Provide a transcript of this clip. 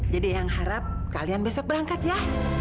jadi ayang harap kalian besok berangkat ya